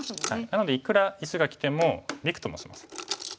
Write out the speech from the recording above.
なのでいくら石がきてもびくともしません。